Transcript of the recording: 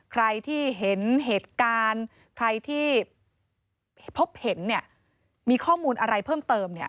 ใครที่เห็นเหตุการณ์ใครที่พบเห็นเนี่ยมีข้อมูลอะไรเพิ่มเติมเนี่ย